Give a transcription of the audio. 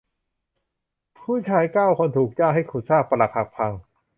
ผู้ชายเก้าคนถูกจ้างให้ขุดซากปรักหักพัง